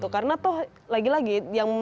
karena toh lagi lagi